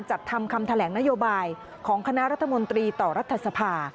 จัดทำคำแถลงนโยบายของคณะรัฐมนตรีต่อรัฐสภา